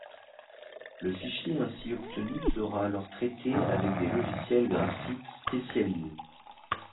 Le fichier ainsi obtenu sera alors traité avec des logiciels graphiques spécialisés.